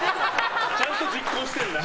ちゃんと実行してるんだ。